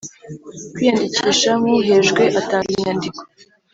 kwiyandikisha nk uhejwe atanga inyandiko